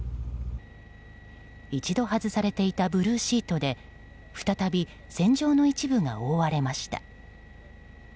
一度外されていたブルーシートで再び船上の一部が覆われました。